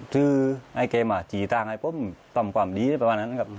ชื่อไอ้เกมอ่ะจีตางให้ผมทำความดีได้ประมาณนั้นนะครับ